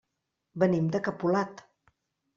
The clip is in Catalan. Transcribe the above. Venim de Capolat.